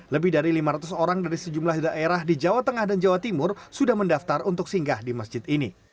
lebih dari lima ratus orang dari sejumlah daerah di jawa tengah dan jawa timur sudah mendaftar untuk singgah di masjid ini